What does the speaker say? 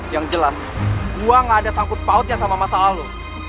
yang jelas gua ga ada sangkut pautnya sama masalah lo